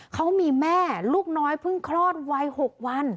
เขามีแม่ลูกน้อยเพิ่งคลอดวัย๖วัน